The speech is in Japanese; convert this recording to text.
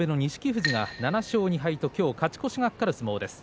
富士が７勝２敗と今日勝ち越しが懸かる相撲です。